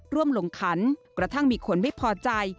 ร่วมลงขันกระทั่งมีคนไม่พอใจ